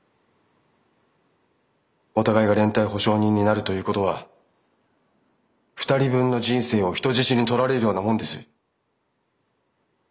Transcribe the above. お互いが連帯保証人になるということは二人分の人生を人質に取られるようなもんです。